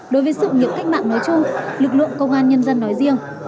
đối với sự nghiệp cách mạng nói chung lực lượng công an nhân dân nói riêng